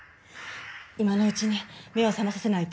今のうちに目を覚まさせないと。